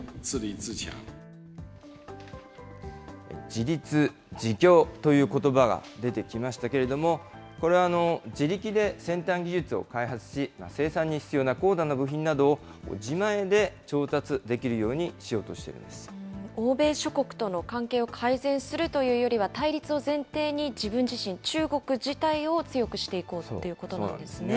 自立自強ということばが出てきましたけれども、これは自力で先端技術を開発し、生産に必要な高度な部品などを自前で調達できるようにしようとし欧米諸国との関係を改善するというよりは、対立を前提に自分自身、中国自体を強くしていこうということなんですね。